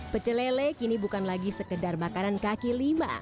pecelele kini bukan lagi sekedar makanan kaki lima